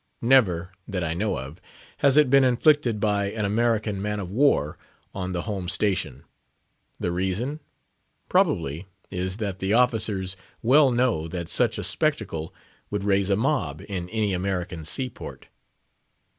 Never, that I know of, has it been inflicted by an American man of war on the home station. The reason, probably, is, that the officers well know that such a spectacle would raise a mob in any American seaport.